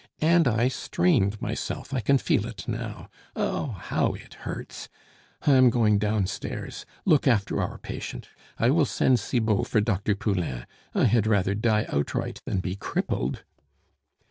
And I strained myself, I can feel it now. Ah! how it hurts! I am going downstairs. Look after our patient. I will send Cibot for Dr. Poulain. I had rather die outright than be crippled."